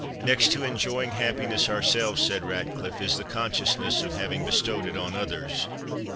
"Next to enjoying happiness ourselves," said Ratcliffe, "is the consciousness of having bestowed it on others.